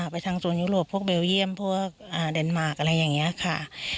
ไปทางโซนยุโรปพวกเบลเยี่ยมพวกเดนมาร์คอะไรอย่างนี้ค่ะ